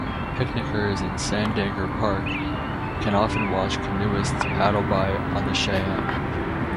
Picnickers in Sandager Park can often watch canoeists paddle by on the Sheyenne.